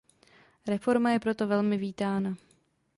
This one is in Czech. Reforma je proto velmi vítána.